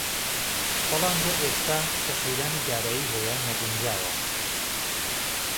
بهڵام بۆ ئێستا كه قهیرانی دارایی ههیه نهگونجاوه